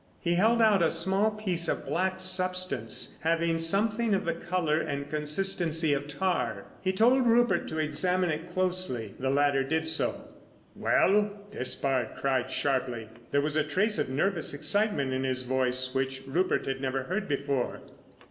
He held out a small piece of black substance having something of the colour and consistency of tar. He told Rupert to examine it closely. The latter did so. "Well?" Despard cried sharply. There was a trace of nervous excitement in his voice which Rupert had never heard before.